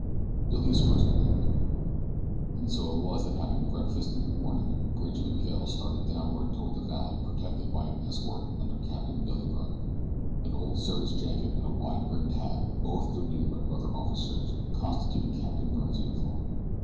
BILLY'S FIRST COMMAND AND so it was that having breakfasted in the morning Bridge and Miguel started downward toward the valley protected by an escort under Captain Billy Byrne. An old service jacket and a wide brimmed hat, both donated by brother officers, constituted Captain Byrne's uniform.